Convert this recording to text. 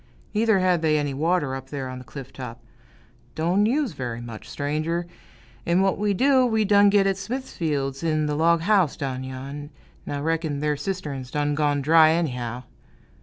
Neither had they any water, up there on the cliff top "don' use very much, stranger; 'n' what we do, we done git at Smithfield's, in th' log house down yon, 'n' I reck'n their cistern's done gone dry, anyhow!"